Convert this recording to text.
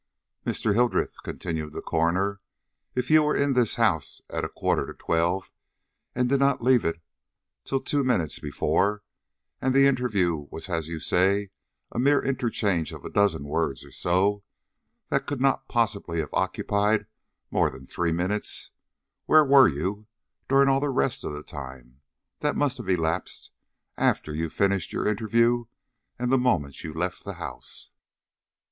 "Mr. Hildreth," continued the coroner, "if you were in this house at a quarter to twelve and did not leave it till two minutes before, and the interview was as you say a mere interchange of a dozen words or so, that could not possibly have occupied more than three minutes; where were you during all the rest of the time that must have elapsed after you finished your interview and the moment you left the house?"